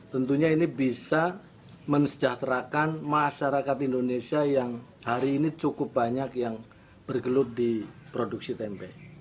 tentunya ini bisa mensejahterakan masyarakat indonesia yang hari ini cukup banyak yang bergelut di produksi tempe